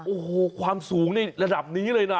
โอ้โหความสูงนี่ระดับนี้เลยนะ